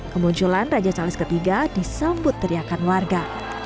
kemunculan raja charles iii disambut teriakan warga